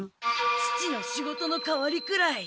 父の仕事の代わりくらい。